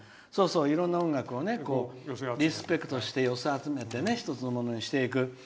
いろんな音楽をリスペクトして寄せ集めて一つのものにしていく。